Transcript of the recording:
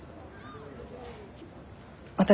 私